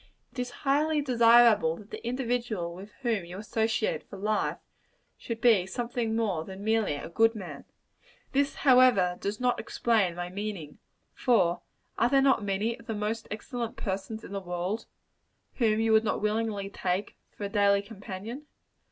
It is highly desirable that the individual with whom you associate for life, should be something more than merely a good man. This, however, does not explain my meaning. For are there not many of the most excellent persons in the world, whom you would not willingly take for a daily companion?